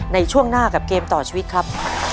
ในช่วงหน้ากับเกมต่อชีวิตครับ